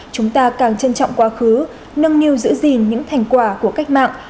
chúng ta càng trân trọng quá khứ nâng niu giữ gìn những thành quả của cách mạng